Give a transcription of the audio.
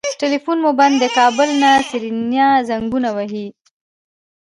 ټليفون مو بند دی کابل نه سېرېنا زنګونه وهي.